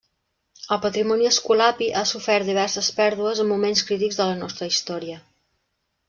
El patrimoni escolapi ha sofert diverses pèrdues en moments crítics de la nostra història.